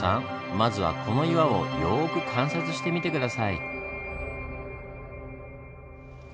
まずはこの岩をよく観察してみて下さい。